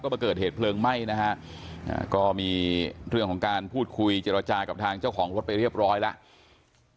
มาเกิดเหตุเพลิงไหม้นะฮะก็มีเรื่องของการพูดคุยเจรจากับทางเจ้าของรถไปเรียบร้อยแล้ว